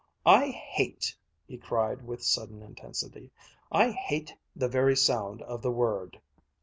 I hate," he cried with sudden intensity, "I hate the very sound of the word!"